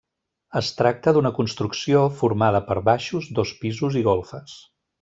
Es tracta d'una construcció formada per baixos, dos pisos i golfes.